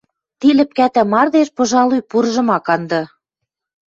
Ти лӹпкӓтӓ мардеж, пожалуй, пурыжым ак канды.